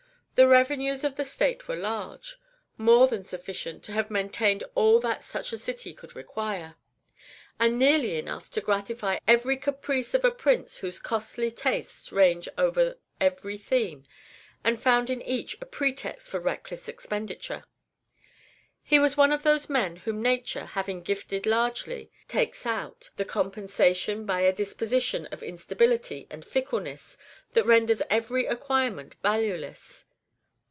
The revenues of the state were large, more than sufficient to have maintained all that such a city could require, and nearly enough to gratify every caprice of a prince whose costly tastes ranged over every theme, and found in each a pretext for reckless expenditure. He was one of those men whom Nature, having gifted largely, "takes out" the compensation by a disposition of instability and fickleness that renders every acquirement valueless.